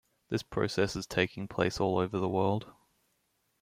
This process is taking place all over the world.